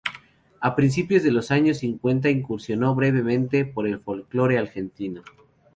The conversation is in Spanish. A principios de los años cincuenta incursionó brevemente por el folclore argentino.